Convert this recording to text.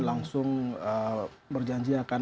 langsung berjanji akan